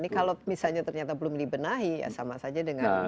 ini kalau misalnya ternyata belum dibenahi ya sama saja dengan